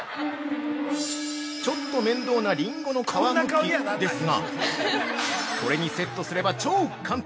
◆ちょっと面倒なリンゴの皮むきですがこれにセットすれば超簡単！